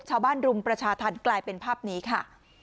รุมประชาธรรมกลายเป็นภาพนี้ค่ะ